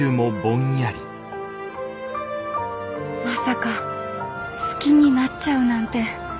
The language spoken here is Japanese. まさか好きになっちゃうなんて。